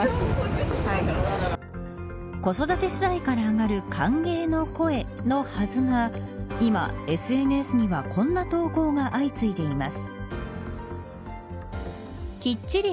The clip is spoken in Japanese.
子育て世代から上がる歓迎の声のはずが今、ＳＮＳにはこんな投稿が相次いでいます。